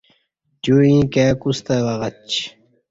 تیو ییں کای کستہ وگچّی